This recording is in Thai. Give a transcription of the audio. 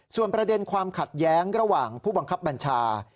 ส่วนประเด็นความขัดแย้งระหว่างผู้บังคับบัญชา